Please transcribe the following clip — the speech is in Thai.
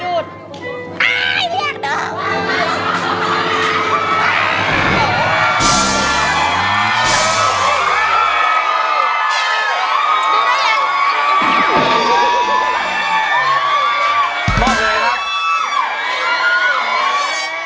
บอกเลยระครับ